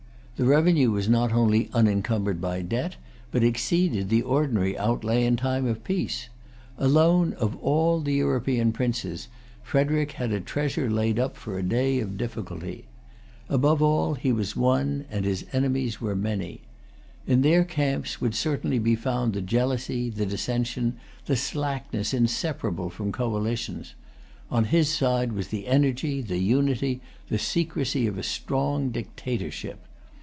The revenue was not only unencumbered by debt, but exceeded the ordinary outlay in time of peace. Alone of all the European princes, Frederic had a treasure laid up for a day of difficulty. Above all, he was one, and his enemies were many. In their camps would certainly be found the jealousy, the dissension, the slackness inseparable from coalitions; on his side was the energy, the unity, the secrecy of a strong dictatorship.